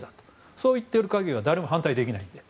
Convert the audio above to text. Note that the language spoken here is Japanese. そう言っている限りは誰も反対できないので。